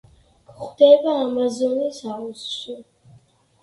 გვხვდება ამაზონის აუზში.